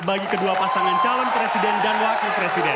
bagi kedua pasangan calon presiden dan wakil presiden